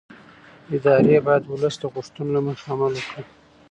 ادارې باید د ولس د غوښتنو له مخې عمل وکړي